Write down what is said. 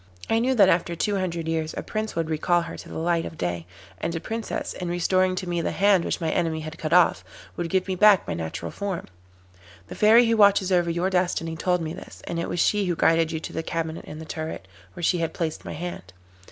I knew that after two hundred years a Prince would recall her to the light of day, and a Princess, in restoring to me the hand which my enemy had cut off, would give me back my natural form. The Fairy who watches over your destiny told me this, and it was she who guided you to the cabinet in the turret, where she had placed my hand.